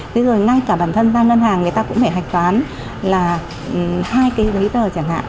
thế rồi ngay cả bản thân ra ngân hàng người ta cũng phải hạch toán là hai cái giấy tờ chẳng hạn